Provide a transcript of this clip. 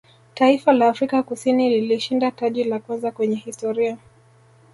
taifa la afrika Kusini lilishinda taji la kwanza kwenye historia